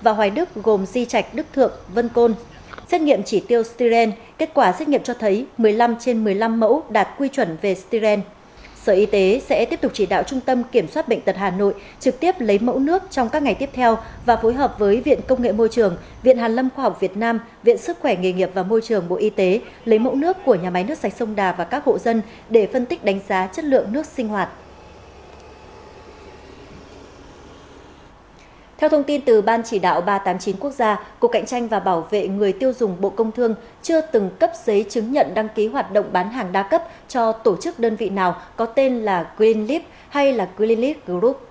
theo thông tin từ ban chỉ đạo ba trăm tám mươi chín quốc gia cục cạnh tranh và bảo vệ người tiêu dùng bộ công thương chưa từng cấp giấy chứng nhận đăng ký hoạt động bán hàng đa cấp cho tổ chức đơn vị nào có tên là greenleaf hay greenleaf group